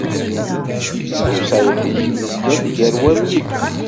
Lewṣayat-ik zgant gar wallen-iw.